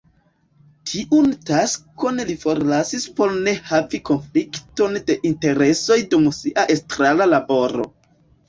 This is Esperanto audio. Tiun taskon li forlasis por ne havi konflikton de interesoj dum sia estrara laboro.